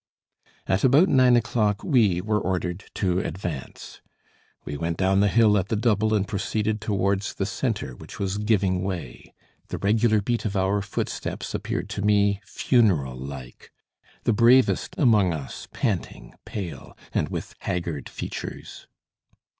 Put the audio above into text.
At about nine o'clock we were ordered to advance. We went down the hill at the double and proceeded towards the centre which was giving way. The regular beat of our footsteps appeared to me funeral like. The bravest among us panting, pale and with haggard features.